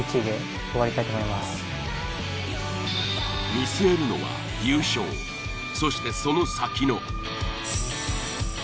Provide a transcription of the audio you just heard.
見据えるのは優勝そしてその先の。